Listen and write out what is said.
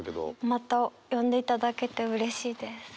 また呼んでいただけてうれしいです。